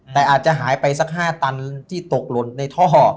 แต่อาจจะหายไปสัก๕ตันที่ตกหล่นในท่อ